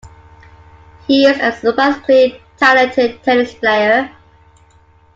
He is a surprisingly talented tennis-player.